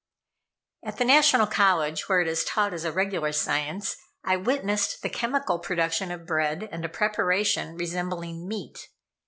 At the National College, where it is taught as a regular science, I witnessed the chemical production of bread and a preparation resembling meat.